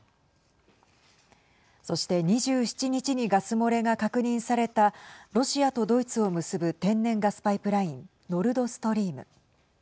そして２７日にガス漏れが確認されたロシアとドイツを結ぶ天然ガスパイプラインノルドストリーム。